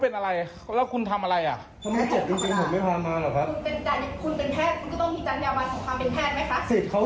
แพทย์คือผู้รักษาอันนี้คือคนไข้มาเพื่อรักษาไม่ใช่มาให้คนด่า